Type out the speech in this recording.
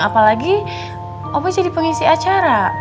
apalagi opa jadi pengisi acara ya kan